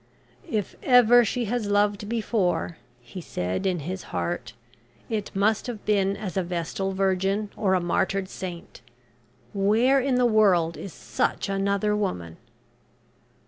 "If ever she has lived before," he said in his heart, "it must have been as a vestal virgin, or a martyred saint. Where in the world is such another woman?"